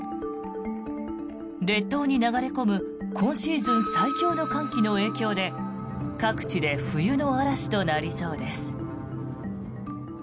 列島に流れ込む今シーズン最強の寒気の影響で各地で冬の嵐となりそうです。